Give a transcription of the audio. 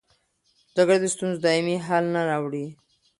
جګړه د ستونزو دایمي حل نه راوړي.